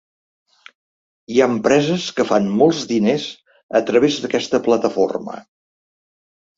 Hi ha empreses que fan molts diners a través d’aquesta plataforma.